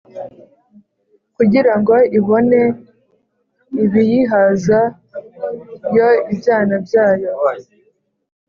kugira ngo ibone ibiyihaza yo n'ibyana byayo.